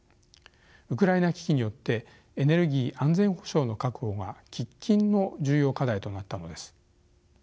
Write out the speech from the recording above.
ウクライナ危機によってエネルギー安全保障の確保が喫緊の重要課題となったのです。